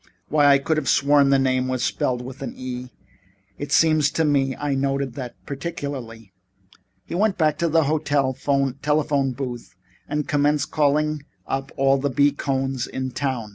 Why, I could have sworn that name was spelled with an E. It seems to me I noted that particularly." He went back to the hotel telephone booth and commenced calling up all the B. Cohns in town.